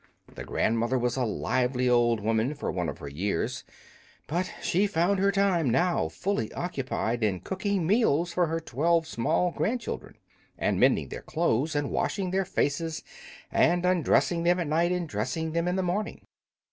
The grandmother was a lively old woman for one of her years, but she found her time now fully occupied in cooking the meals for her twelve small grandchildren, and mending their clothes, and washing their faces, and undressing them at night and dressing them in the morning.